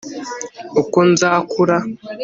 uko nzakura